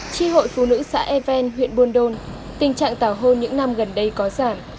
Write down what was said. theo bà hiễu tri hội phụ nữ xã e ven huyện buôn đôn tình trạng tảo hôn những năm gần đây có giảm